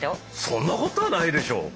そんなことはないでしょ！